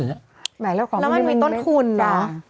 แล้วในต้นคุณล่ะ